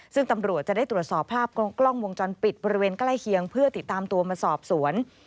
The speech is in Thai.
ซึ่งตำรวจจะได้ตรวจสอบภาพกล้องวงจรปิดบริเวณใกล้เคียงเพื่อติดตามตัวมาสอบสวน